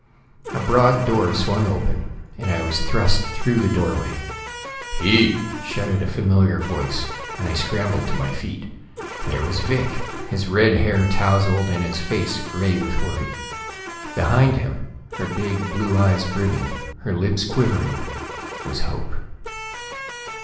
A broad door swung open, and I was thrust through the doorway. "Pete!" shouted a familiar voice, and I scrambled to my feet. There was Vic, his red hair tousled, and his face gray with worry. Behind him, her big blue eyes brimming, her lips quivering, was Hope.